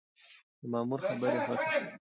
د مامور خبرې خوښې شوې.